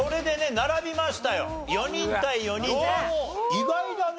意外だね。